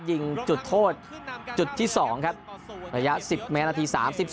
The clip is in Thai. ยิงจุดโทษจุดที่๒ครับระยะ๑๐เมตรนาที๓๒